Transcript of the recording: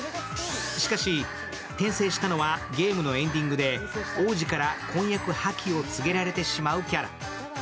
しかし、転生したのはゲームのエンディングで王子から婚約破棄を告げられてしまうキャラ。